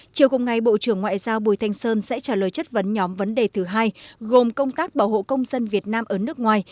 chiều cùng ngày bộ trưởng ngoại giao bùi thanh sơn sẽ trả lời chất vấn nhóm vấn đề thứ hai gồm công tác bảo hộ công dân việt nam ở nước ngoài